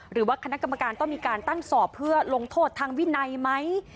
หรือว่าคณะกรรมการต้องมีการตั้งสอบเพื่อลงโทษทางวินัยไหม